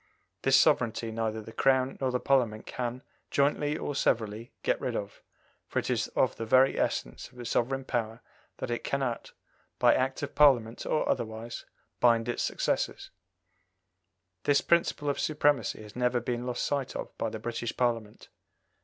This sovereignty neither the Crown nor the Parliament can, jointly or severally, get rid of, for it is of the very essence of a sovereign power that it cannot, by Act of Parliament or otherwise, bind its successors. This principle of supremacy has never been lost sight of by the British Parliament.